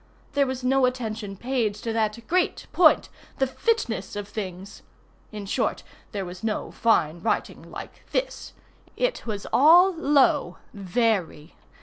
There was no attention paid to that great point, the "fitness of things." In short there was no fine writing like this. It was all low—very!